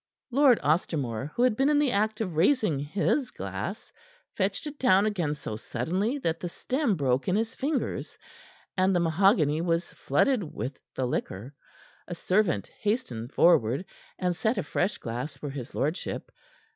Lord Ostermore, who had been in the act of raising his glass, fetched it down again so suddenly that the stem broke in his fingers, and the mahogany was flooded with the liquor. A servant hastened forward, and set a fresh glass for his lordship.